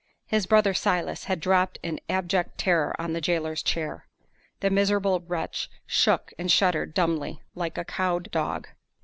His brother Silas had dropped in abject terror on the jailer's chair; the miserable wretch shook and shuddered dumbly, like a cowed dog.